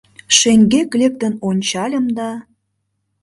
Шеҥгек лектын ончальым да